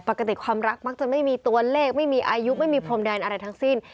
ปกติความรักมักจะไม่มีตัวเลขไม่มีอายุไม่มีพรมแดนอะไรทั้งสิ้น